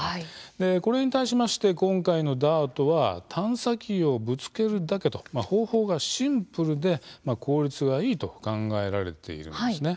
これに対しまして今回のＤＡＲＴは探査機をぶつけるだけと方法はシンプルで効率がいいと考えられているんですね。